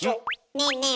ねえねえ